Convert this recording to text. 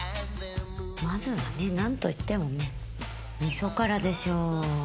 まずはねなんといってもね味噌からでしょう。